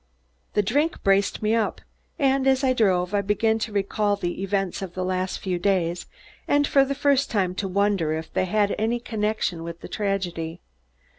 The drink braced me up and as I drove I began to recall the events of the last few days, and for the first time to wonder if they had any connection with the tragedy.